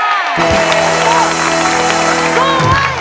สู้ไว้